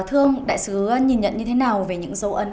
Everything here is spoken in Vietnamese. thưa ông đại sứ nhìn nhận như thế nào về những dấu ấn